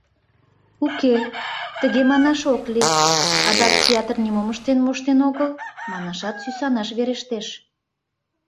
Уке, тыге манаш ок лий, адак «театр нимом ыштен моштен огыл» манашат сӱсанаш верештеш.